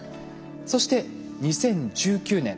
そして２０１９年